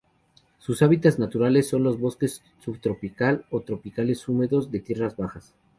Sus hábitats naturales son los bosques subtropical o tropicales húmedos de tierras bajas.